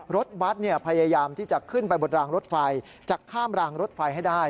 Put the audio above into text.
รถบัตรพยายามที่จะขึ้นไปบนรางรถไฟจะข้ามรางรถไฟให้ได้